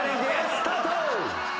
スタート。